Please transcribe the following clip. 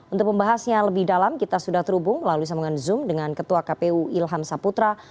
untuk pembahasnya lebih dalam kita sudah terhubung melalui sambungan zoom dengan ketua kpu ilham saputra